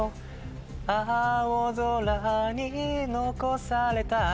青空に残された